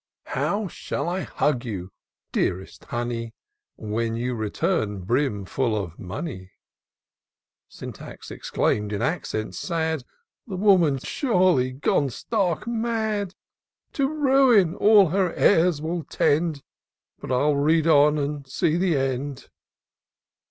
How shall I hug you, dearest honey, When you return, brimful of money !" Syntax exclaim'd, in accents sad, ^^ The woman's surely gone stark mad ! To ruin, all her airs will tend ; But 111 read on, and see the end."